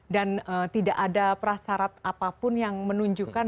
dan tidak ada prasarat apapun yang menunjukkan